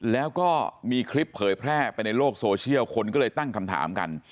แล้วก็มีคลิปเผยแพร่ไปในโลกโซเชียลคนก็เลยตั้งคำถามกัน